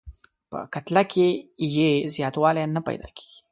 په کتله کې یې زیاتوالی نه پیدا کیږي.